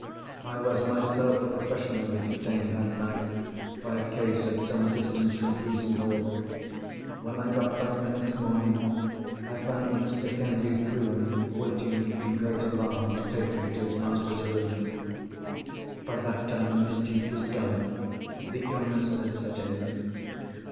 I was myself professionally detained, that night, by a case at some distance from Frizinghall. When I got back the next morning, I found Mr. Candy's groom waiting in great alarm to take me to his master's room. By that time the mischief was done; the illness had set in."